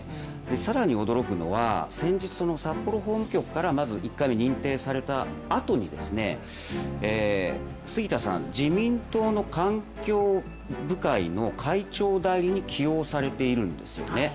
更に驚くのは先日、札幌法務局からまず１回目認定されたあとに杉田さん、自民党の環境部会の会長代理に起用されているんですよね。